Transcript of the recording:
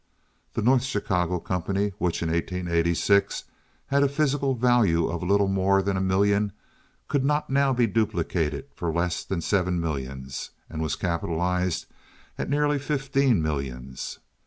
The North Chicago company, which in 1886 had a physical value of little more than a million, could not now be duplicated for less than seven millions, and was capitalized at nearly fifteen millions.